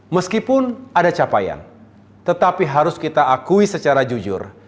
meskipun ada capaian tetapi harus kita akui secara jujur